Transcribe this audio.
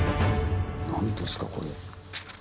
何ですかこれ。